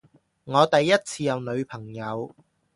我第一次有女朋友